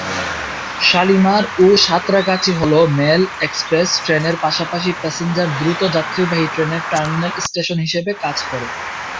শালিমার ও সাঁতরাগাছি হল মেল/এক্সপ্রেস ট্রেনের পাশাপাশি প্যাসেঞ্জার/দ্রুত যাত্রীবাহী ট্রেনের টার্মিনাল স্টেশন হিসাবে কাজ করে।